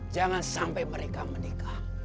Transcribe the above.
jangan sampai mereka menikah